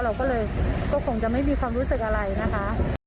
เราก็เลยก็คงจะไม่มีความรู้สึกอะไรนะคะ